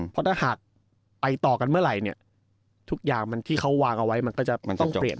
เพราะถ้าหากไปต่อกันเมื่อไหร่เนี่ยทุกอย่างที่เขาวางเอาไว้มันก็จะมันต้องจบ